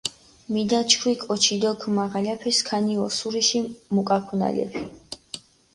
მიდაჩქვი კოჩი დო ქჷმაღალაფე სქანი ოსურიში მუკაქუნალეფი.